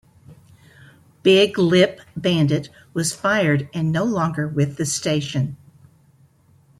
Big Lip Bandit was fired and no longer with the station.